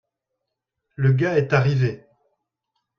le gars est arrivé.